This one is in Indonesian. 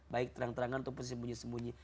baik terang terangan ataupun sembunyi sembunyi